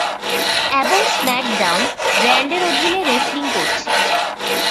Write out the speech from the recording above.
এবং স্ম্যাকডাউন ব্র্যান্ডের অধীনে রেসলিং করছে।